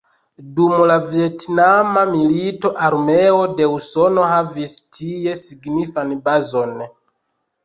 Dum la Vjetnama milito armeo de Usono havis tie signifan bazon.